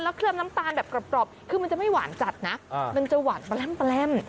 เคลือบน้ำตาลแบบกรอบคือมันจะไม่หวานจัดนะมันจะหวาน